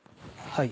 はい。